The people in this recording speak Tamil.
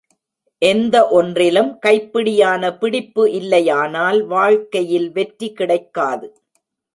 எந்த ஒன்றிலும் கைப்பிடியான பிடிப்பு இல்லையானால் வாழ்க்கையில் வெற்றி கிடைக்காது.